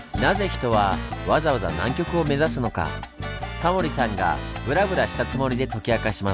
タモリさんがブラブラしたつもりで解き明かします。